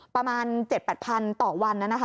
ประมาณ๗๘๐๐๐ต่อวัน